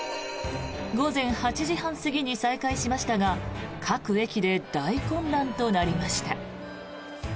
午前８時半過ぎに再開しましたが各駅で大混乱となりました。